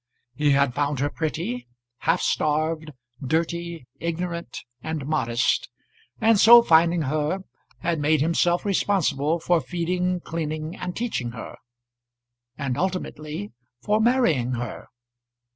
He had found her pretty, half starved, dirty, ignorant, and modest; and so finding her had made himself responsible for feeding, cleaning, and teaching her, and ultimately for marrying her.